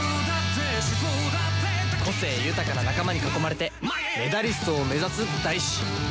個性豊かな仲間に囲まれてメダリストを目指す大志。